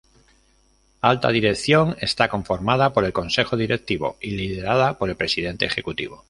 Alta Dirección: Está conformada por el Consejo Directivo y liderada por el Presidente Ejecutivo.